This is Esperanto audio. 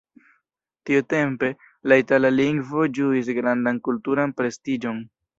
Tiutempe, la itala lingvo ĝuis grandan kulturan prestiĝon.